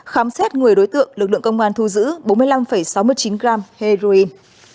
khám xét người đối tượng lực lượng công an thu giữ bốn mươi năm sáu mươi chín g heroin